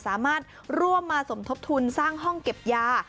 สามารถร่วมมาสมทบทุนสร้างห้องเก็บยา